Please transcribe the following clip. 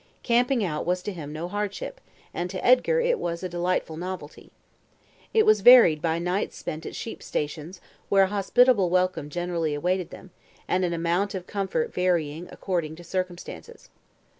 Camping out was to him no hardship, and to Edgar it was a delightful novelty. It was varied by nights spent at sheep stations, where a hospitable welcome generally awaited them, and an amount of comfort varying according to circumstances.